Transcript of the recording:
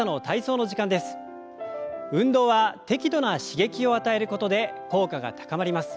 運動は適度な刺激を与えることで効果が高まります。